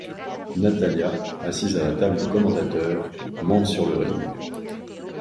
Natalya, assise à la table des commentateurs, monte sur le ring.